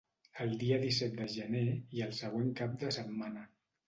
El dia disset de gener i el següent cap de setmana.